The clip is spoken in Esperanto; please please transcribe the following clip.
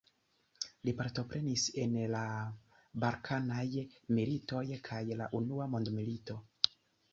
Li partoprenis en la Balkanaj militoj kaj la Unua Mondmilito.